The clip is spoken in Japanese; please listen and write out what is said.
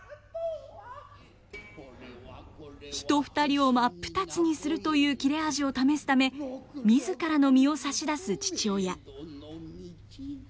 人２人を真っ二つにするという切れ味を試すため自らの身を差し出す父親。